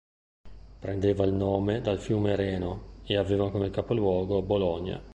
Prendeva il nome dal fiume Reno e aveva come capoluogo Bologna.